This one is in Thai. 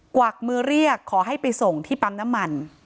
วักมือเรียกขอให้ไปส่งที่ปั๊มน้ำมัน